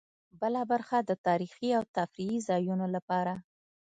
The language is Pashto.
بله برخه د تاريخي او تفريحي ځایونو لپاره.